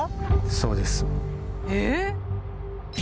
そうです。